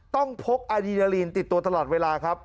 ต้องพกอารินาลีนติดตัวตลอดเวลาครับ